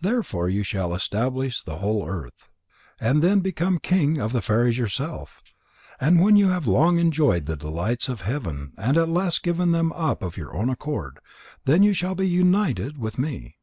Therefore you shall establish the whole earth, and then become king of the fairies yourself. And when you have long enjoyed the delights of heaven and at last give them up of your own accord, then you shall be united with me.